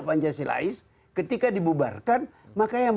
pancasilais ketika dibubarkan maka yang